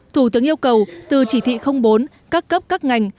thủ tướng yêu cầu từ chỉ thị bốn các cấp các ngành